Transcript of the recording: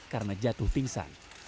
karena jatuh pingsan